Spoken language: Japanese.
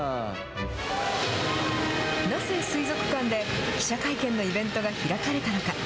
なぜ水族館で記者会見のイベントが開かれたのか。